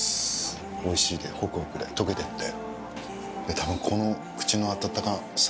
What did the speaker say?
おいしいでホクホクでとけてって。